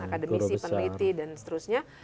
akademisi peneliti dan seterusnya